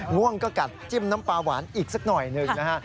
ง่วงก็กัดจิ้มน้ำปลาหวานอีกสักหน่อยหนึ่งนะฮะ